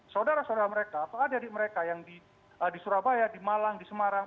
saudara saudara mereka apa ada di mereka yang di surabaya di malang di semarang